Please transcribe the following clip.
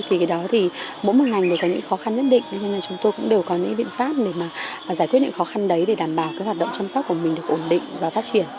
thì cái đó thì mỗi một ngành có những khó khăn nhất định cho nên chúng tôi cũng đều có những biện pháp để giải quyết những khó khăn đấy để đảm bảo hoạt động chăm sóc của mình được ổn định và phát triển